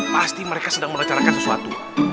pasti mereka sedang mengecarakan sesuatu